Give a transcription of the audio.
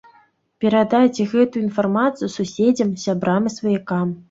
Перадайце гэтую інфармацыю суседзям, сябрам і сваякам.